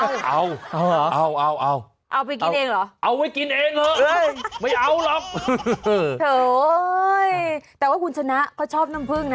แน่นอนที่ครับ